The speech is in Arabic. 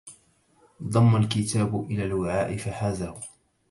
ضم الكتاب إلى الوعاء فحازه